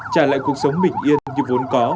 trả lại cuộc sống bình yên như vốn có